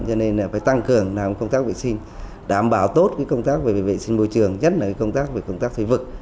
cho nên là phải tăng cường làm công tác vệ sinh đảm bảo tốt công tác về vệ sinh môi trường nhất là công tác về công tác thủy vực